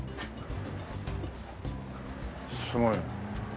すごいね。